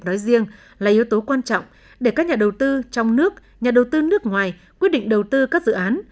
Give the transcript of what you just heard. nói riêng là yếu tố quan trọng để các nhà đầu tư trong nước nhà đầu tư nước ngoài quyết định đầu tư các dự án